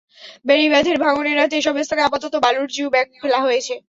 বেড়িবাঁধের ভাঙন এড়াতে এসব স্থানে আপাতত বালুর জিও ব্যাগ ফেলা হয়েছে।